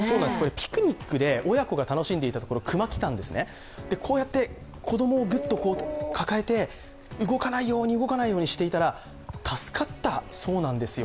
ピクニックで親子が楽しんでいたところ、熊来たんですね、こうやって子供をグッと抱えて動かないように、動かないようにしていたら助かったそうなんですよ。